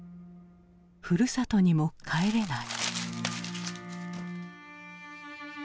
ふるさとにも帰れない。